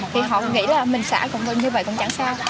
thì họ nghĩ là mình xài cũng như vậy cũng chẳng sao